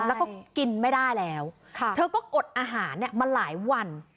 แล้วก็กินไม่ได้แล้วเธอก็อดอาหารมาหลายวัน